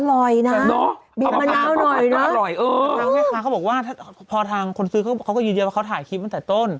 อร่อยนะมีมะนาวหน่อยนะอร่อยเออทางแม่ค้าเขาบอกว่าพอทางคนซื้อเขาก็ยืนยันว่าเขาถ่ายคลิปตั้งแต่ต้น